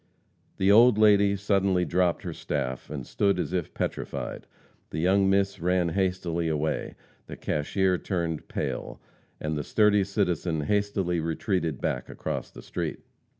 The old lady suddenly dropped her staff and stood as if petrified; the young miss ran hastily away; the cashier turned pale, and the sturdy citizen hastily retreated back across the street.